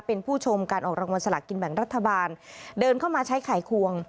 เป็นผู้ชมการออกรางวัลสลากกินแบ่งรัฐบาลเดินเข้ามาใช้ไขควง